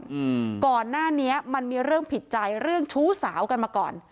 อืมก่อนหน้านี้มันมีเรื่องผิดใจเรื่องชู้สาวกันมาก่อน